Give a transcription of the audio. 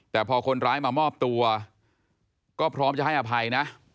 แต่พอคนร้ายมามอบตัวก็พร้อมจะให้อภัยนะ